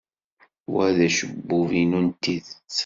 Wa d acebbub-inu n tidet.